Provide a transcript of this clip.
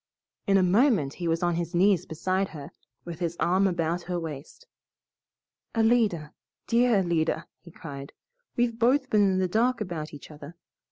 In a moment he was on his knees beside her, with his arm about her waist. "Alida, dear Alida!" he cried, "we've both been in the dark about each other.